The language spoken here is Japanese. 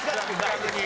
逆に。